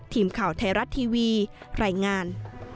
ทีมข่าวไทยรัฐทีวีรายงาน